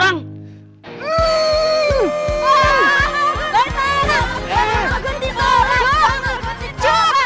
bang oguh gue ditolak